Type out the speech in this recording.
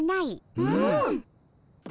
うん。